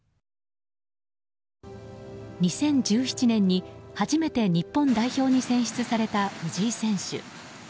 ２０１７年に初めて日本代表に選出された藤井選手。